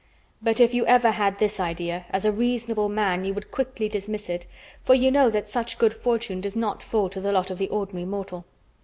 But if you ever had this idea, as a reasonable man you would quickly dismiss it, for you know that such good fortune does not fall to the lot of the ordinary mortal.